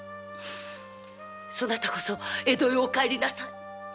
そなたこそ江戸へお帰りなさい